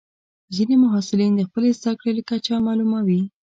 ځینې محصلین د خپلې زده کړې کچه معلوموي.